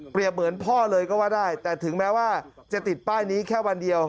เหมือนพ่อเลยก็ว่าได้แต่ถึงแม้ว่าจะติดป้ายนี้แค่วันเดียว